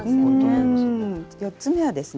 ４つ目はですね